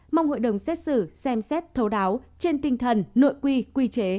mong hội đồng xét xử xem xét thấu đáo trên tinh thần nội quy quy chế